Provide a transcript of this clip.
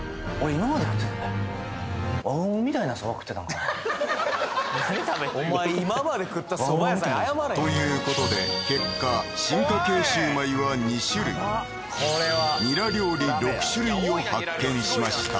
今まで食ったそば屋さんに謝れということで結果進化系シウマイは２種類ニラ料理６種類を発見しました